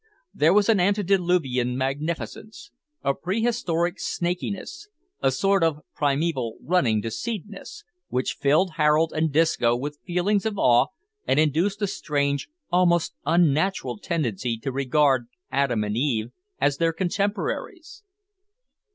There was an antediluvian magnificence, a prehistoric snakiness, a sort of primeval running to seedness, which filled Harold and Disco with feelings of awe, and induced a strange, almost unnatural tendency to regard Adam and Eve as their contemporaries.